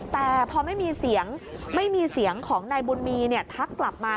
แต่พอไม่มีเสียงของนายบุญมีทักกลับมา